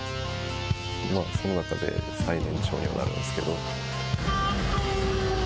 まあ、その中で最年長にはなるんですけど。